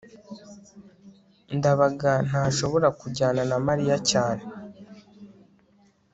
ndabaga ntashobora kujyana na mariya cyane